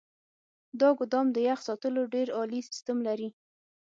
دا ګودام د يخ ساتلو ډیر عالي سیستم لري.